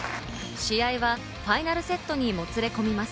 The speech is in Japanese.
試合はファイナルセットにもつれ込みます。